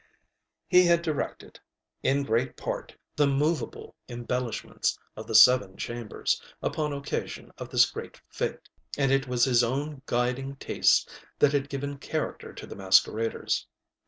He had directed, in great part, the moveable embellishments of the seven chambers, upon occasion of this great f├¬te; and it was his own guiding taste which had given character to the masqueraders.